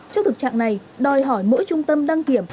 trước thực trạng này đòi hỏi mỗi trung tâm đăng kiểm